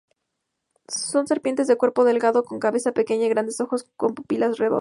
Son serpientes de cuerpo delgado con cabeza pequeña y grandes ojos con pupilas redondas.